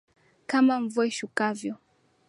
Kama mvua ishukavyo.